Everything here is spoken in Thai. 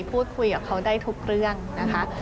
พูดคุยกับเขาได้ทุกเรื่องนะคะ